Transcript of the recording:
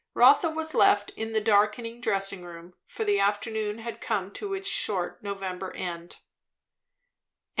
Rotha was left in the darkening dressing room; for the afternoon had come to its short November end.